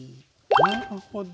なるほど。